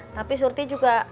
tapi surti juga